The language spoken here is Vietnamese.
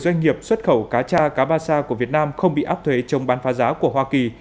doanh nghiệp xuất khẩu cá cha cá ba sa của việt nam không bị áp thuế chống bán phá giá của hoa kỳ